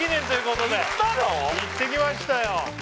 行ってきましたよ